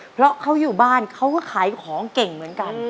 เพราะเขาอยู่บ้านเขาก็ขายของเก่งเหมือนกัน